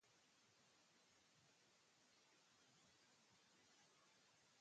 Era muy querida por los brasileños, que dolorosamente lloraron su muerte.